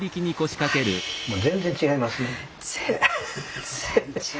全然違いますね。